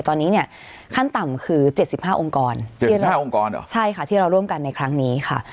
ตอนนี้เนี่ยขั้นต่ำคือ๗๕องค์กรที่เราร่วมกันในครั้งนี้ค่ะ